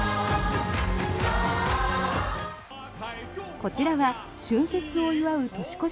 こちらは春節を祝う年越し